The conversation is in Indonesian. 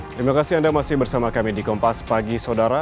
terima kasih anda masih bersama kami di kompas pagi saudara